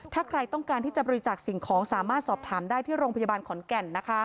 ถ้าใครต้องการที่จะบริจาคสิ่งของสามารถสอบถามได้ที่โรงพยาบาลขอนแก่น